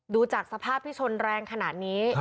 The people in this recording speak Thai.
ดูจากสภาพที่ชนแรงขนาดนี้